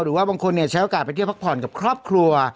หรือว่าบางคนใช้โอกาสไปเที่ยวพักผ่อนกับครอบครัว